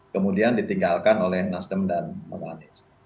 kemudian ditinggalkan oleh nasdem dan mas anies